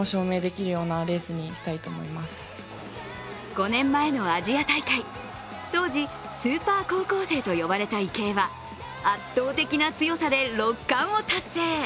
５年前のアジア大会、当時、スーパー高校生と呼ばれた池江は圧倒的な強さで６冠を達成。